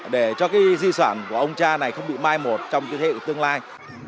bảo tồn của ông cha này không bị mai một trong thế hệ của tương lai